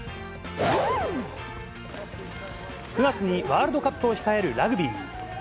９月にワールドカップを控えるラグビー。